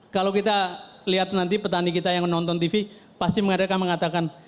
kalau kita lihat nanti petani kita yang menonton tv pasti mereka mengatakan